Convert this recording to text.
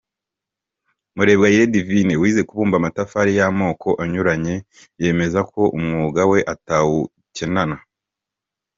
Murebwayire Divine wize kubumba amatafari y’amoko anyuranye, yemeza ko umwuga we atawukenana.